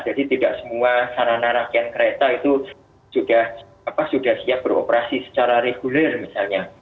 jadi tidak semua sarana rakyat kereta itu sudah siap beroperasi secara reguler misalnya